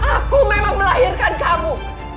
aku memang melahirkan kamu